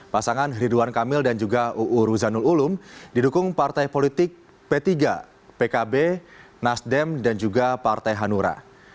pasangan ridwan kamil dan juga uu ruzanul ulum didukung partai politik p tiga pkb nasdem dan juga partai hanura